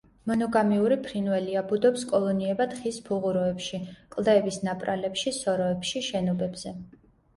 მონოგამიური ფრინველია, ბუდობს კოლონიებად ხის ფუღუროებში, კლდეების ნაპრალებში, სოროებში, შენობებზე.